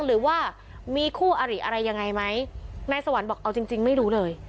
หรือว่ามีคู่อริอะไรยังไงไหมนายสวรรค์บอกเอาจริงจริงไม่รู้เลย